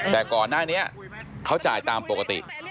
แต่ก่อนหน้านี้เขาจ่ายตามปกติ